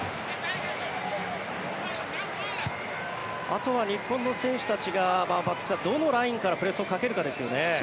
あとは日本の選手たちがどのラインからプレスをかけるかですよね。